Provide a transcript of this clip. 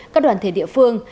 các đoàn thể địa phương